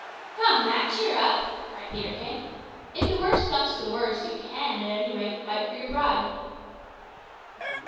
"Come, Mak, cheer up," cried Peterkin. "If the worst comes to the worst, you can, at any rate, fight for your bride."